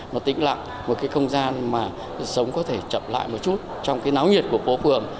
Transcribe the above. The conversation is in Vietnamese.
nó tĩnh lặng một cái không gian mà sống có thể chập lại một chút trong cái náo nhiệt của phố phường